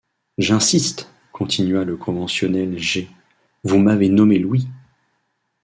J’insiste, continua le conventionnel G. Vous m’avez nommé Louis